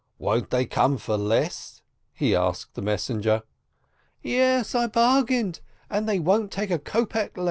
Won't they come for less ? he asked the messenger. "Yes, I bargained, and they won't take a kopek less."